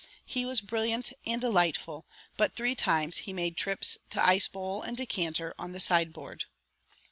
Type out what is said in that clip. He was brilliant and delightful, but three times he made trips to ice bowl and decanter on the sideboard.